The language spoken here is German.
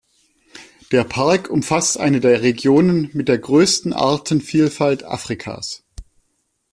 Der Park umfasst eine der Regionen mit der größten Artenvielfalt Afrikas.